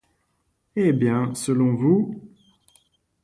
Hé! bien, selon vous...